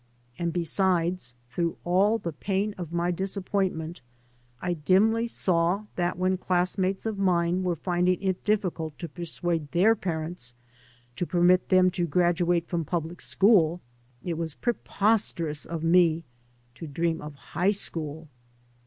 And besides, through all the pain of my disappointment I dimly saw that when classmates of mine were finding it dif ficult to persuade their parents to permit them to graduate from public school, it was pre posterous of me to dream of high school.